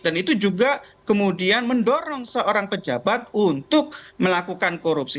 dan itu juga kemudian mendorong seorang pejabat untuk melakukan korupsi